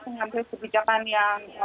mengambil kebijakan yang